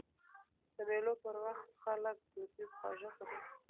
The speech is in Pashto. د مېلو پر وخت خلک دودیز خواږه خوري.